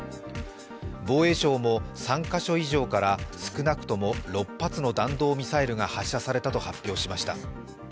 防衛省も、３カ所以上から少なくとも６発の弾道ミサイルが発射されたと発表しました。